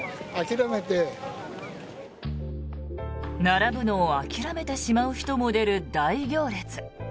並ぶのを諦めてしまう人も出る大行列。